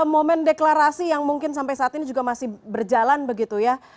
momen deklarasi yang mungkin sampai saat ini juga masih berjalan begitu ya